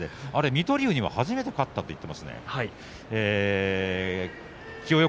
水戸龍には初めて勝ったといっていましたよ。